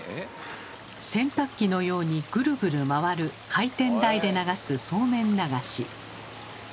洗濯機のようにグルグル回る回転台で流す「そうめん流し」。